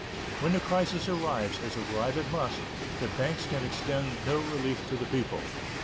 When the crisis arrives, as arrive it must, the banks can extend no relief to the people.